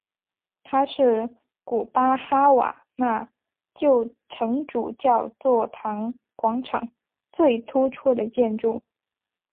它是古巴哈瓦那旧城主教座堂广场最突出的建筑。